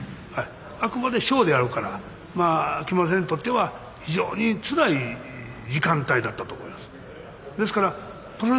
あくまでショーであるから木村先生にとっては非常につらい時間帯だったと思います。